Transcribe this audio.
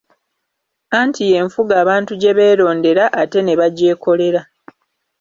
Anti ye nfuga abantu gye beerondera ate ne bagyekolera.